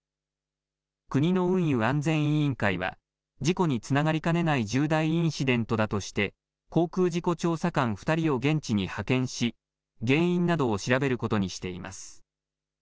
国の運輸安全委員会は、事故につながりかねない重大インシデントだとして、航空事故調査官２人を現地に派遣し、原因などを調べることにして